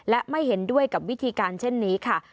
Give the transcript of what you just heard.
และไม่เห็นด้วยกับวิธีการเช่นนี้ค่ะ